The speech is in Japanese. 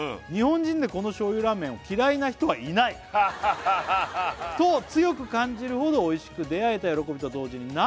「日本人でこの醤油ラーメンを嫌いな人はいない」「と強く感じるほどおいしく出会えた喜びと同時に」